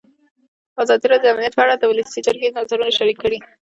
ازادي راډیو د امنیت په اړه د ولسي جرګې نظرونه شریک کړي.